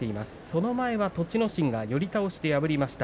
その前は栃ノ心が寄り倒しで破っています。